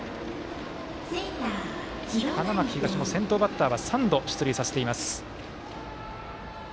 花巻東も、先頭バッターは３度、出塁させています。